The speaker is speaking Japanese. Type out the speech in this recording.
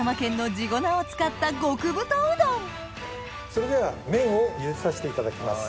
それでは麺を茹でさせていただきます。